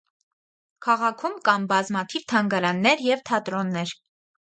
Քաղաքում կան բազմաթիվ թանգարաններ և թատրոններ։